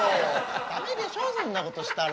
ダメでしょそんなことしたら。